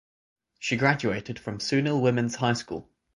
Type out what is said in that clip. She graduated from Sunil Women’s High School.